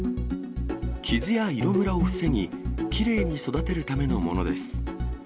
傷や色むらを防ぎ、きれいに育てるためのものです。